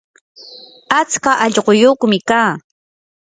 atska allquyuqmi kaa.